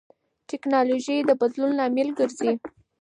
ټیکنالوژي د بدلون لامل ګرځي.